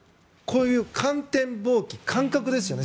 観天望気、感覚ですよね。